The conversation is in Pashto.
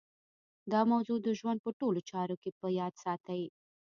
دا موضوع د ژوند په ټولو چارو کې په یاد ساتئ